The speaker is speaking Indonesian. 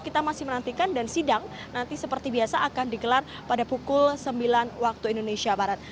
kita masih menantikan dan sidang nanti seperti biasa akan digelar pada pukul sembilan waktu indonesia barat